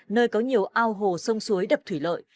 nơi có nhiều ao hồ sông suối đập thủy lợi